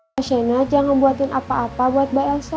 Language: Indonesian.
masyena jangan buatin apa apa buat mbak elsa